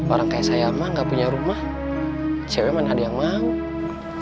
orang kayak saya mah gak punya rumah cewek mana ada yang mau